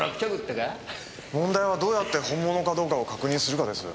問題はどうやって本物かどうかを確認するかです。